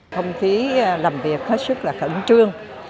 phong phí làm việc hết sức khẩn trương